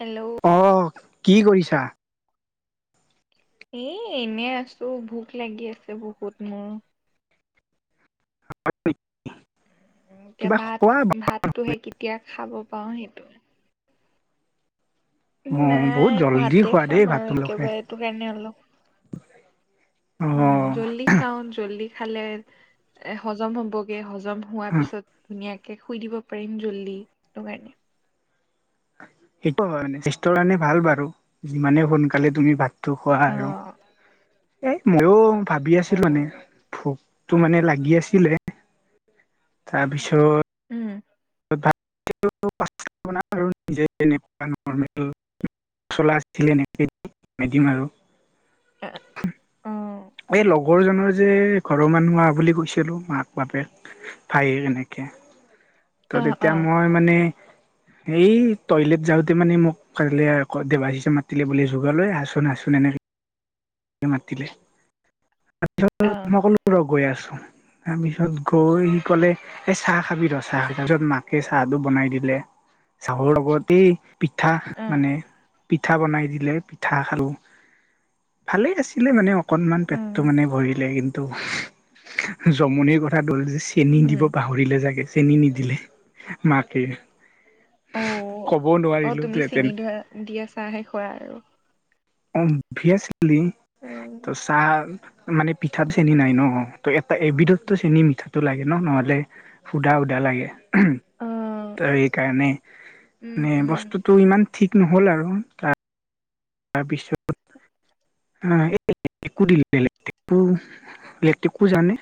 Hello অঁ, কি কৰিছা? এ এনেই আছো ভোক লাগি আছে বহুত মোৰ। [unintelligible] এতিয়া কিবা ভাত খোৱা ভাতটোহে কেতিয়া খাব পাও সেইটোয়ে। অ বহুত নাই জল্দি ভাতে খোৱা খাম দেই আৰু ভাতটো তোমালোকে। একেবাৰে এইটো কাৰণে অলপ অ। খাও জল্দি খালে এ হজম হ'বগে হজম হোৱাৰ পিছত ধুনীয়াকে শুই দিব পাৰিম জল্দি সেইটো কাৰণে সেইটো হয় মানে স্বাস্থ্যৰ কাৰণে ভাল বাৰু যিমানে সোনকালে তুমি ভাত সেটো খোৱা অ আৰু এ ময়ো ভাবি অ আছিলো মানে ভোকটো মানে লাগি আছিলে তাৰপিছত উম ভাত [unintelligible] আৰু নিজে এক নৰ্মেল চলা আছিলে এক ম দিম আৰু এ অ এই লগৰজনৰ যে ঘৰৰ মানুহ আহা বুলি কৈছিলো মাক বাপেক ভায়েক এনেকে অ ত' অ তেতিয়া মই মানে এই টইলেট যাওঁতে মানে মোক কাইলে আকৌ দেৱাশিষে মাতিলে বুলি যোগালে আ চোন আ চোন এনেকে মাতিলে অ তাপিছত মই কলো ৰ গৈ আছো তাৰপিছত গৈ সি ক'লে এ চাহ খাবি ৰ চাহ তাৰপিছত মাকে চাহটো বনাই দিলে চাহৰ লগতে পিঠা অ মানে পিঠা বনাই দিলে পিঠা খালো ভালে আছিলে মানে অকনমান পেটটো উম মানে ভৰিলে কিন্তু জমনিৰ কথাটো হল যে ছি চেনি উম দিব পাহৰিলে চাগে চেনি নিদিলে মাকে অ ক'বও অ নোৱাৰিলো তুমি তেন চেনি ধৰা দিয়া চাহহে খোৱা আৰু অভিয়েছলি ত চাহ মানে পিঠাত চেনী উম, নাই ন ত' এটা এবিধতো চেনি মিঠাটো লাগে ন নহ'লে সুদা সুদা লাগে উম ত এই কাৰণে মানে উম। বস্তুটো ইমান ঠিক নহ'ল আৰু তাৰ তাৰপিছত [unintelligible] লেটেকু জানে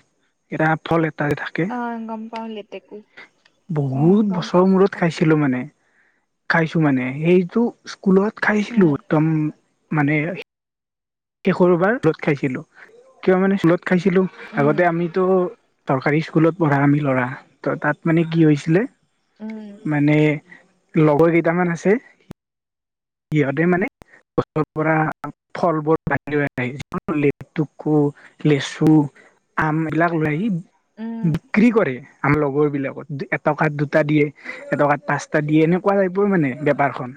এটা ফল এটা থাকে অ গম পাও লেট বহুত বছৰৰ গম মূৰত পাওঁ খাইছিলো মানে খাইছো মানে সেইটো স্কুলত উম খাইছিলো একদম মানে শেষৰবাৰ স্কুলত খাইছিলো কিয় মানে স্কুলত খাইছিলোঁ উম আগতে আমি ত চৰকাৰী স্কুলত পঢ়া আমি ল'ৰা ত' তাত মানে কি হৈছিলে উম মানে লগৰ কেইটামান আছে সিহঁতে মানে গছৰ পৰা ফলবোৰ [unintelligible] লেটেকু লেচু আম এবিলাক লই আহি উম বিক্ৰী কৰে আমাৰ লগৰ বিলাকত টকাত দুটা দিয়ে এটকাত পাঁচটা দিয়ে এনেকুৱা টাইপৰ মানে বেপাৰখন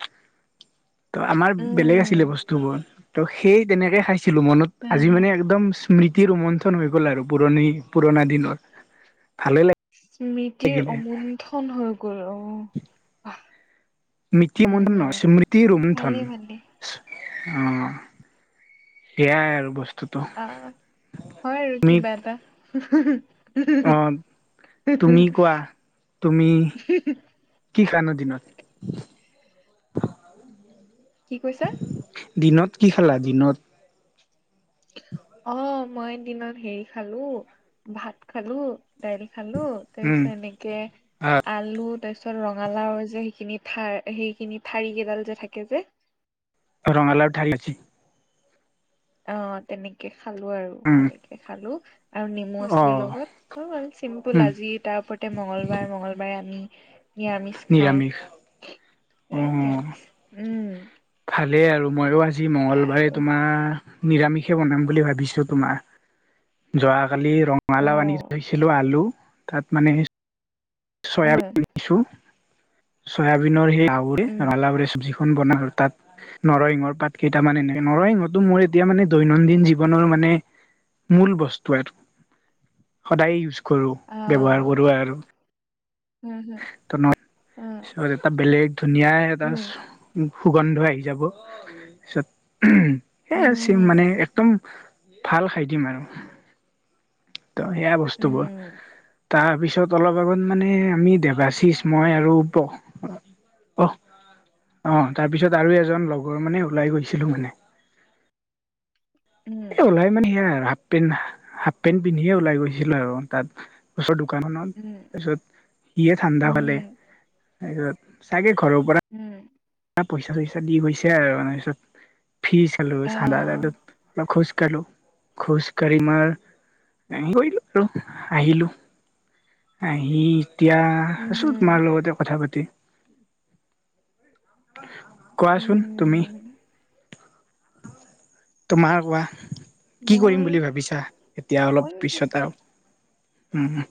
[inaudible] ত' আমাৰ বেলেগ আছিলে উম বস্তুবোৰ ত' সেই তেনেকে খাইছিলো মনত হা আজি হা মানে একদম স্মৃতি ৰোমঞ্চন হৈ গ'ল আৰু পুৰণি পুৰণা দিনৰ ভালে লাগে স্মৃতিৰ অমুন্থন হৈ গল আহ বাহ তি উম অমুন্থন হম নহয় স্মৃতি ৰুমথন ভালেই ভালেই ইচ অ সেয়াই আৰু বস্ অ হয় আৰু কিবা এটা অ তুমি কোৱা তুমি [unintelligible] কি খান দিনত কি কৈছা? দিনত কি খালা দিনত? অ', মই দিনত হেৰি খালো! ভাত খালো, দাইল খালো, তাৰ উম পিছত এনেকে আহ আলু তাৰ পিছত ৰঙালাওৰ যে সেইখিনি থাৰ সেইখিনি ঠাৰি কেইডাল যে থাকে যে। ৰঙালাও ঠাৰি কি অ', তেনেকে খালো আৰু ভালকে খালো। আৰু নেমু অ আছিলে লগত, হৈ গল চিম্পুল উম আজি তাৰ মংগলবাৰ মঙ্গলবাৰে আমি নিৰামিষ খাওঁ। নিৰামিষ অ এই নিৰামিষ। উম',। ভালেই আৰু ময়ো আজি সেয়া মঙ্গলবাৰে আৰু তোমাৰ, নিৰামিষে বনাম বুলি ভাবিছোঁ তোমাৰ যোৱাকালি অ ৰঙালাও আনি থৈছিলো আলু তাত মানে উম চয়াবিন দিছো, চয়াবিনৰ সেই লাউৰে উম ৰঙালাওৰে চবজি খন বনালোঁ তাত নৰসিংহৰ পাত কেইটামান এনেকে, নৰসিংহতো মোৰ এতিয়া মানে দৈনন্দিন জীৱনৰ মানে মূল বস্তু আৰু, সদায় ইউজ কৰোঁ ব্যৱহাৰ আহ কৰোঁ আৰু। উম ত' ন' হম পিছত এটা বেলেগ ধুনীয়াই এটা উম সুগন্ধ আহি যাব পিছত উম উম সেয়াই হম চিম হম মানে একদম ভাল খাই দিম আৰু ত'সেয়া বস্তুবোৰ। উম তাৰ পিছত অলপ আগত মানে, আমি দেবাশিচ মই আৰু প অ', অ', তাৰপিছত আৰু এজন লগৰ মানে ওলাই গৈছিলো মানে। উম এ' ওলাই মানে সেয়াই আৰু হাফ পেণ্ট হাফ পেণ্ট পিন্ধিয়ে ওলাই গৈছিল আৰু তাত। ওচৰৰ দোকানখনত তাৰপিছত সিয়ে ঠাণ্ডা ফালে তাৰপিছত চাগে ঘৰৰ পৰা উম',। পইচা চইচা দি গৈছে আৰু তাৰ পিছত, ফী চালো চাধা-তাধা খুচ কালো খুচ কাঢ়ি মই কৰিলো আৰু আহিলো, আহি এতিয়া আছো তোমাৰ লগতে কথা পাতি। কোৱাচোন তুমি? উম, তোমাৰ কোৱা? কি কৰিম মই বুলি ভাবিছা, এতিয়া মই অলপ পিছত আৰু? উম',।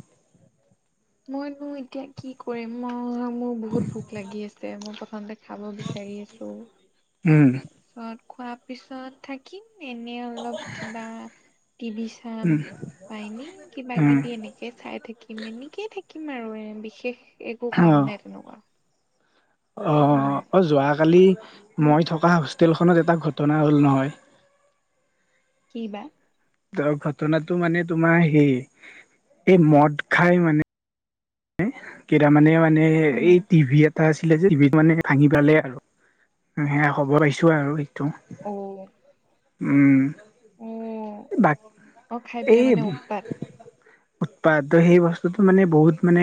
মইনো এতিয়া কি কৰিম ম' মোৰ বহুত ভোক লাগি আছে, মোৰ প্ৰথমতে খাব বিচাৰি আছো, উম তাৰপিছত খোৱাৰ পিছত থাক কিম এনেই অলপ কিবা টিভি চাম, উম বা এনেই কিবা উম কিবি এনে তাকে চাই থাকিম এনেকেইে থাকিম আৰু, এ' বিশেষ একো অ কাম নাই তেনেকুৱা। অ', অ' যোৱাকালি উম, মই থকা হোষ্টেলখনত এটা ঘটনা হ'ল নহয়! কি বা? ঘটনাটো মানে তোমাৰ হেই, এই মদ খাই মানে কেইটামানে মানে উম, এই টিভি এটা আছিলে যে টিভি মানে ভাঙি পালে আৰু, সেয়া সব পাইছো আৰু সেইটো। অ',। উম', অ', বাক অ', খাই পিনে এই মানে উৎপাত। উৎপাত ত' সেই বস্তুটো মানে বহুত মানে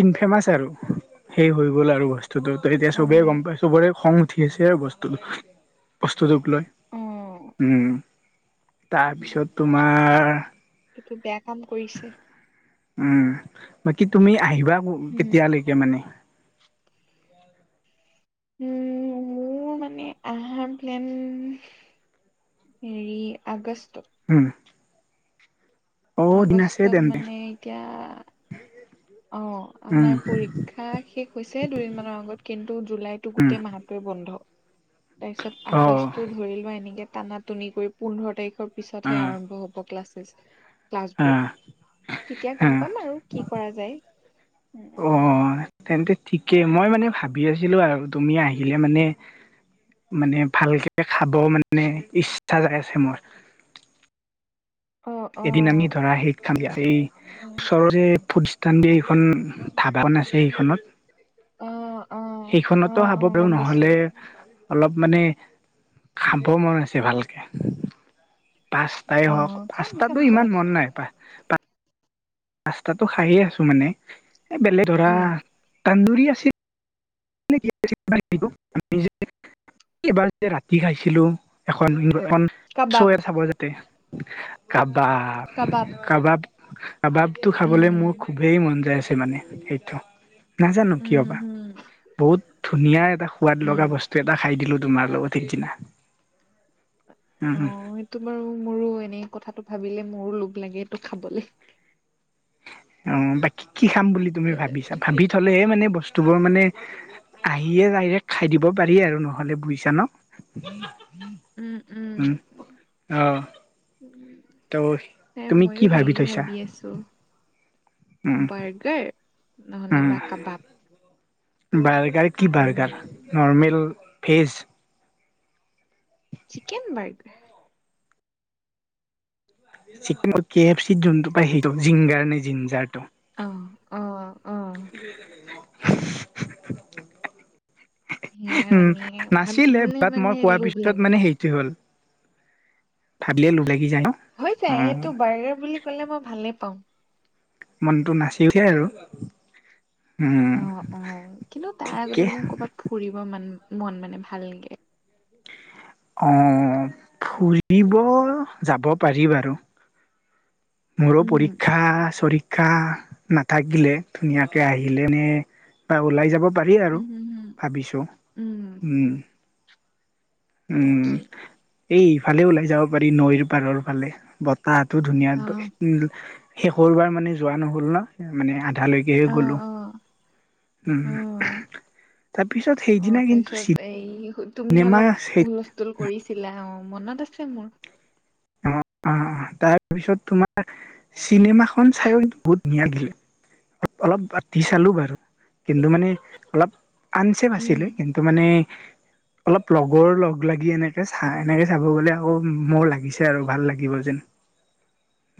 ইনফেমাচ আৰু, সেই হৈ গ'ল আৰু বস্তুটো ত' এতিয়া চবেই অ'। গম পাই চবৰে খং উঠি আছে আৰু বস্তু বস্তুটোক লৈ। উম। তাৰপিছত তোমাৰ এইটো বেয়া কাম কৰিছে। উম, বাকী তুমি আহিবা উম, কেতিয়ালৈকে মানে? উম, মোৰ মানে আহাৰ প্লেন হেৰি আগষ্টত। হু। আছে আগষ্টত তেন্তে মানে এতিয়া অ', আমাৰ উম পৰীক্ষা শেষ হৈছে দুইদিনমানৰ আগত কিন্তু জুলাইটো উম গোটেই মাহ টোৱে বন্ধ তাৰপিছত অ আগষ্টটো ধৰি লোৱা এনেকে টানা টানি কৰি, পোন্ধৰ তাৰিখৰ অ পিছতহে আৰম্ভ হ'ব ক্লাছেছ, অ ক্লাছবোৰ। তেতিয়া গম অ পাম আৰু কি কৰা যায়। অ', তেন্তে ঠিকেই, মই মানে ভাবি আছিলোঁ আৰু তুমি আহিলে মানে মানে ভালকে খাব মানে ইচ্ছা আছে মোৰ। অ', এদিন আমি অ', ধৰা হেই খাম দিয়া, উম, এই ওচৰৰ যে ফুটচ এইখন যে এইখন ধাবাখন আছে সেইখনত। অ', অ', সেইখনতো অ', খাব অ', পাৰোঁ গম পাইছোঁ। নহ'লে অলপ মানে খাব মন আছে ভালকে। পাস্তাই হওঁক, পাস্তাটো ইমান মন নাই, পা পাস্তাটো খায়ে আছোঁ মানে এ, বেলেগ ধৰা তান্দুৰি আছি [unintelligible] এবাৰ যে ৰাতি খাইছিলোঁ এখন, এখন কাবাব, চৈ এত খাব যাতে, কাবাব। কাবাব। কাবাব, কাবাবটো খাবলৈ মোৰ উম, খুবেই মন যায় আছে মানে সেইটো। নাজানো উম, কিয় হু, বা হু। বহুত ধুনীয়া এটা সোৱাদ লগা বস্তু এটা খাই দিলোঁ তোমাৰ লগত সিদিনা। উম, হু। তোমাৰো মোৰো এনে কথাটো ভাবিলে মোৰো লোভ লাগে এইটো খাবলে। অ' বাকী কি খাম বুলি তুমি ভাবিছা, ভাবি থলেহে মানে বস্তুবোৰ মানে আহিয়ে ডাইৰেক্ট খাই দিব পাৰি আৰু নহ'লে বুজিছা ন'? উম, অ'। উম, ত' নাই তুমি কি ময়ো ভাবি হেৰি থৈছা? আছোঁ, উম বাৰ্গাৰ নহ'লে উম বা কাবাব। বাৰ্গাৰ, কি উম। Burger, normal, veg? Chicken burger. Chicken, K F C যোনটো পায় সেইটো, জিংগাৰ নে জিনজাৰটো। অ', অ', অ',। [inaudible] সেয়া উম, মানে নাছিলে ভাবিবলে বাট মই মানে কোৱা লোভ পিছত লাগে। মানে সেই টো হ'ল, ভাবিলে লোভ লাগি যায় ন'? হৈ যায়, উম এইটো বাৰ্গাৰ বুলি ক'লে মই ভালে পাওঁ। মনটো নাচি উঠে আৰু। উম অ', অ', কিন্তু তাৰ ঠিকে আগতে মোৰ কৰ'বাত ফুৰিব মান মন মানে ভালকে অঁ, ফুৰিব যাব পাৰি বাৰু! মোৰো উম, পৰীক্ষা-চৰি ক্ষা নাথাকিলে, ধুনীয়াকে আহিলে নে বা ওলাই যাব পাৰি আৰু, উম, হম, হম, ভাবিছোঁ। উম। উম, তাকেই এই ইফালে ওলাই যাব পাৰি, নৈৰ পাৰৰ ফালে। বত তাহতো ধুনীয়া অ', বলে, উম, শেষৰ বাৰ মানে যোৱা নহ'ল ন, মানে আধালৈকে অ', গ'লো। অ', উম, তাৰপিছত অ', সেইদিনা কিন্তু তাৰপিছত এই তুমি চিনেমা অলপ হুল-স্থোল কৰিছিলা, অ, মনত আছে মোৰ। অ, অ, তাৰপিছত তোমাৰ চিনেমাখন চাইও বহুত ধুনীয়া লাগিল। অলপ বাদ দি চালোঁ বাৰু, কিন্তু মানে অলপ আনচেভ উম। আছিলে। কিন্তু মানে অলপ লগৰ লগ লাগি এনেকে চা, এনেকে চাব গ'লে আকৌ মোৰ লাগিছে। সেয়া আৰু ভাল লাগিব যেন।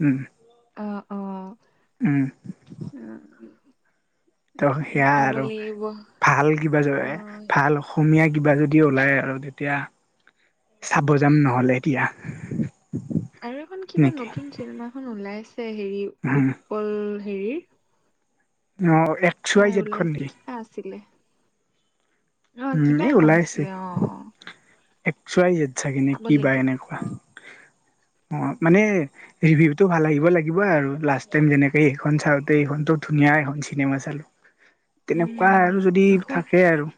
উম অ, অ, উম অ। ত, নাই সেয়া চাব আৰু। লাগিব ভাল কিবা [unintelligible] ভাল অসমীয়া কিবা যদি ওলাই আৰু তেতিয়া চাব যাম নহ'লে দিয়া। আৰু এখন কিবা নতুন চিনেমাখন ওলাইছে, হেৰি উম উৎপল হেৰিৰ। অ। এক্স ৱাই তাৰ জেডখন ওলাইছে, নেকি কিবা আছিলে! নহয়, উম কিবা এই এখন ওলাইছে আছিলে, অ, অ। এক্স ওয়াই জেদ চাগে নে, চাব কিবা লাগিব। এনেকুৱা। অ, মানে উম, ৰিভিউটো ভাল আহিব লাগিব আৰু, লাষ্ট টাইম যেনেকে সেইখন চাওঁতে, এইখনো ধুনীয়া এখন চিনেমা চালোঁ। [inaudible] তেনেকুৱাই উম, আৰু যদি এইখন থাকে আৰু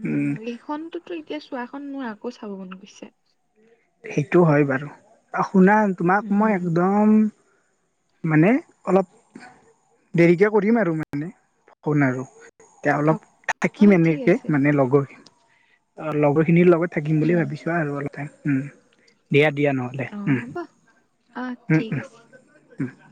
উম, এইখনতোতো এতিয়া চোৱাখন মোৰ আকৌ চাব মন গৈছে। সেইটো হয় বাৰু! অ, শুনা, তোমাক মই উম, একদম মানে অলপ দেৰিকে কৰিম আৰু, মানে ফোন আৰু। এতিয়া অ', অলপ অ, থাকিম ঠিক এনেকে, আছে মানে লগৰ- লগৰ খিনিৰ লগত। থাকিম বুলি উম, ভাবিছোঁ আৰু অলপমান। দিয়া, দিয়া, নহ'লে। অঁ, উম ঠিক আছে। উম।